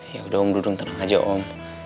ya udah om dudung tenang aja om